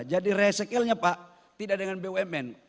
jadi resiklenya pak tidak dengan bumn